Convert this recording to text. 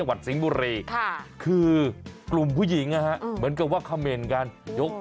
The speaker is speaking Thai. ไม่ใครว่ะคำจะกลัวเจ้าน้อย